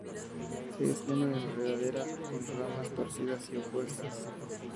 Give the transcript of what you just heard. Es una enredadera con ramas torcidas y opuestas.